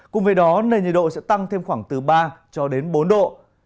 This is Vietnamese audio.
cùng với đó nền nhiệt độ sẽ tăng thêm khoảng từ ba cho đến bốn độ